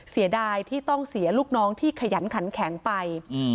เสียดายที่ต้องเสียลูกน้องที่ขยันขันแข็งไป